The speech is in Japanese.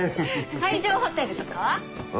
海上ホテルとかは？